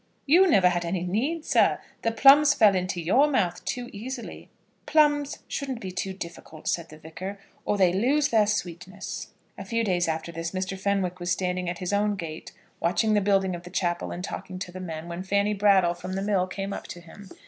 "You never had any need, sir. The plums fell into your mouth too easily." "Plums shouldn't be too difficult," said the Vicar, "or they lose their sweetness." A few days after this Mr. Fenwick was standing at his own gate, watching the building of the chapel and talking to the men, when Fanny Brattle from the mill came up to him.